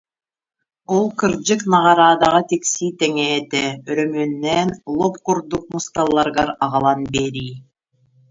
Ол кырдьык наҕараадаҕа тиксии тэҥэ этэ, өрөмүөннээн лоп курдук мусталларыгар аҕалан биэрии